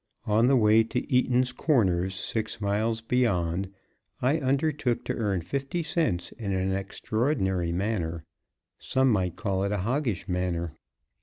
On the way to Eaton's Corners, six miles beyond, I undertook to earn fifty cents in an extraordinary manner; some might call it a hoggish manner.